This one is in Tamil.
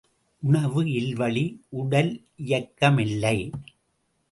உணவு இல்வழி உடலியக்கமில்லை.